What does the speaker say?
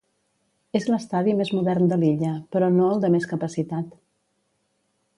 És l'estadi més modern de l'illa, però no el de més capacitat.